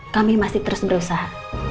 kami masih terus berusaha